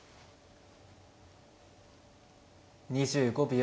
２５秒。